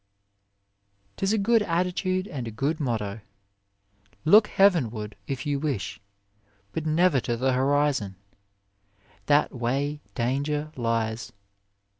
" Tis a good attitude and a good motto. Look heaven ward, if you wish, but never to the horizon that way danger A WAY lies.